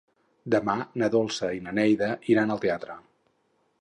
Demà na Dolça i na Neida iran al teatre.